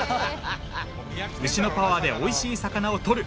牛のパワーで美味しい魚を取る。